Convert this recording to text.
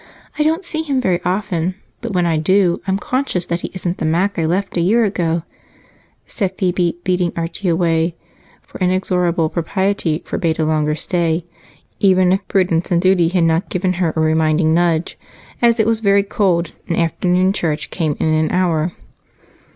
I don't see him very often, but when I do I'm conscious that he isn't the Mac I left a year ago," said Phebe, leading Archie away, for inexorable propriety forbade a longer stay, even if prudence and duty had not given her a reminding nudge, as it was very cold, and afternoon church came in an hour.